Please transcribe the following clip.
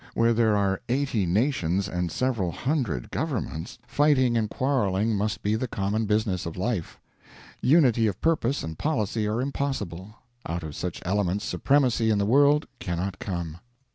Where there are eighty nations and several hundred governments, fighting and quarreling must be the common business of life; unity of purpose and policy are impossible; out of such elements supremacy in the world cannot come.